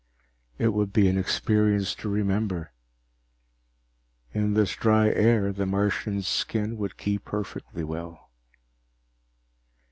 It would be an experience to remember. In this dry air, the Martian's skin would keep perfectly well.